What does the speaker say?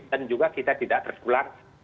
dan juga kita tidak terpulang